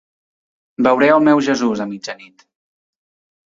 Veuré el meu Jesús a mitjanit.